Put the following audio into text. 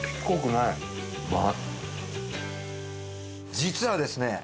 実はですね